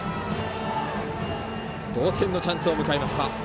同点のチャンスを迎えました。